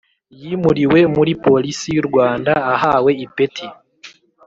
yimuriwe muri Polisi y u Rwanda Ahawe ipeti